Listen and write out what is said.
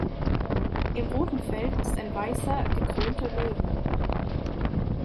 Im roten Feld ist ein weißer, gekrönter Löwe.